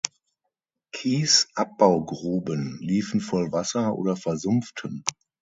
Kiesabbaugruben liefen voll Wasser oder versumpften.